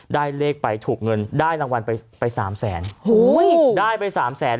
ได้เลขไปถูกเงินได้รางวัลไปไปสามแสนได้ไปสามแสน